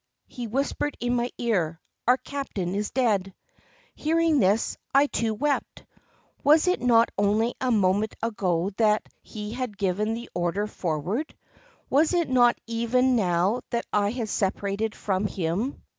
He whispered in my ear, "Our captain is dead." Hearing this, I too wept. Was it not only a moment ago that he had given the order "Forward"? Was it not even now that I had separated from him?